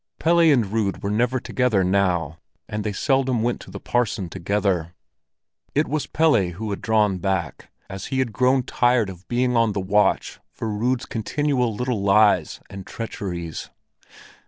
Pelle and Rud were never together now, and they seldom went to the parson together. It was Pelle who had drawn back, as he had grown tired of being on the watch for Rud's continual little lies and treacheries.